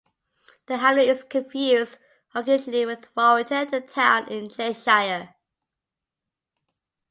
The hamlet is confused occasionally with Warrington, the town in Cheshire.